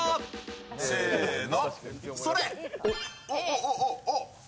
せーの。